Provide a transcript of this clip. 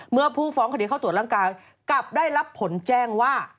เมื่อผู้ฟ้องคดีเข้าตรวจร่างกายกลับได้รับผลแจ้งว่า